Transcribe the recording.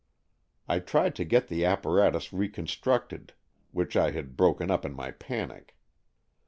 I tried to get the apparatus reconstructed, which I had broken up in my panic.